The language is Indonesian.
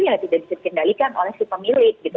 yang tidak dikendalikan oleh si pemilik gitu